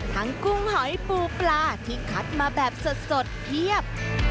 กุ้งหอยปูปลาที่คัดมาแบบสดเพียบ